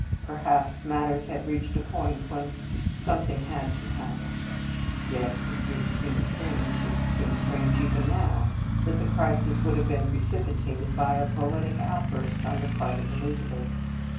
Perhaps matters had reached a point when something had to hap pen; yet it did seem strange it seems strange even now that the crisis should have been precipitated by a poetic outburst on the part of Elizabeth.